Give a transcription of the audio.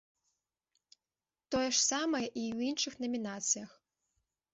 Тое ж самае і ў іншых намінацыях.